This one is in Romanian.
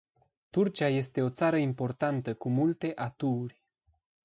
Turcia este o țară importantă cu multe atuuri.